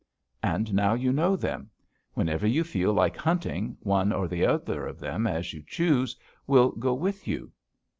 And now you know them. Whenever you feel like hunting, one or the other of them, as you choose, will go with you.'